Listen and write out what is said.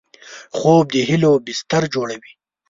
خوب د هیلو بستر جوړوي